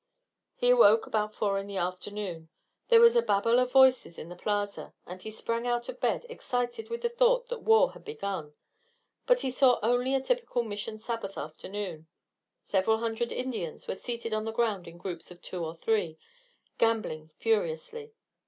He awoke about four in the afternoon. There was a babel of voices in the plaza, and he sprang out of bed, excited with the thought that war had begun. But he saw only a typical Mission Sabbath afternoon. Several hundred Indians were seated on the ground in groups of two or three, gambling furiously.